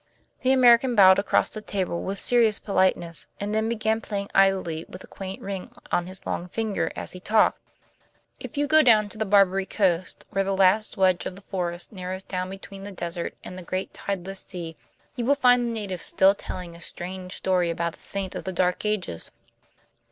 The American bowed across the table with a serious politeness, and then began playing idly with a quaint ring on his long finger as he talked. "If you go down to the Barbary Coast, where the last wedge of the forest narrows down between the desert and the great tideless sea, you will find the natives still telling a strange story about a saint of the Dark Ages.